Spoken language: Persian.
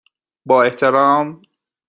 با احترام،